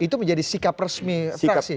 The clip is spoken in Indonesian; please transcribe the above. itu menjadi sikap resmi fraksi